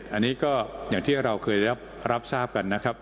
อันนี้ก็อย่างที่เราเคยรับทราบกันนะครับ